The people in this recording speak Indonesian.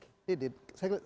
jadi saya katakan kembali